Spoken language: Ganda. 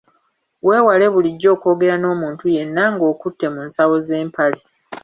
Weewale bulijjo okwogera n’omuntu yenna nga okutte mu nsawo z’empale.